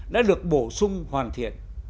đã được bổ sung hoàn thiện